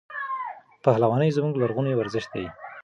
پهلواني زموږ لرغونی ورزش دی.